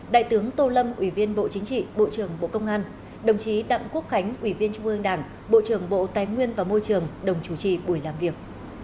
đại tướng tô lâm ủy viên bộ chính trị bộ trưởng bộ công an đồng chí đặng quốc khánh ủy viên trung ương đảng bộ trưởng bộ tài nguyên và môi trường đồng chủ trì buổi làm việc